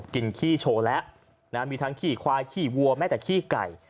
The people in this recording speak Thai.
ขี้โชว์แล้วมีทั้งขี้ควายขี้วัวแม้แต่ขี้ไก่